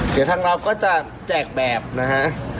เดี๋ยวทางเราก็จะแจกแบบนะฮะ